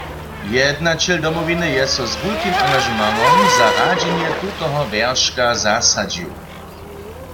Jednaćel Domowiny je so z wulkim angažementom za radźenje tutoho wjerška zasadźił.